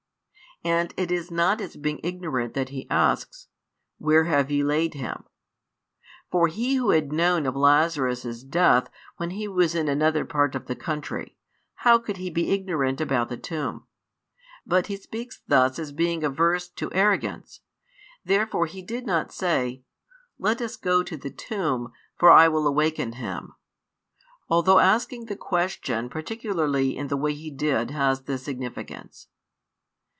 And it is not as being ignorant that He asks: Where have ye laid him? For He Who had known of Lazarus' death when He was in another part of the country, how could He be ignorant about the tomb? But He speaks thus as being averse to arrogance: therefore He did not say: "Let us go to the tomb, for I will awaken him," although asking the question particularly in the way He did has this significance.